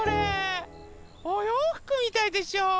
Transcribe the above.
おようふくみたいでしょう？